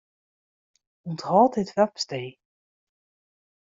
Unthâld dit webstee.